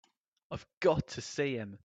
I've got to see him.